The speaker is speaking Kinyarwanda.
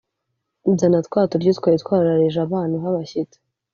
zana twa turyo twari twararije abana uhe abashyitsi.